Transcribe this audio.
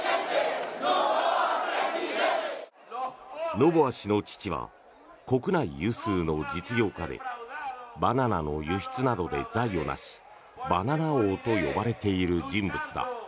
ノボア氏の父は国内有数の実業家でバナナの輸出などで財を成しバナナ王と呼ばれている人物だ。